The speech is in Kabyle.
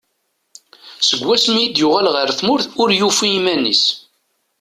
Seg wasmi i d-yuɣal ɣer tmurt ur yufi iman-is.